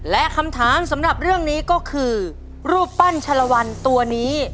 และคำถามสำหรับเรื่องนี้ก็คือรูปปั้นชะละวันตัวนี้